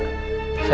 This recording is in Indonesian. oh gitu ya pak